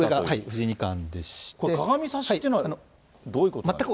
ここ、かがみ指しっていうのはどういうことなんですか。